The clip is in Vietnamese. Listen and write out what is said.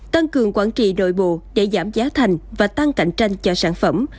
tăng cường quản trị đội bộ để giảm giá thành và tăng cạnh tranh cho sản phẩm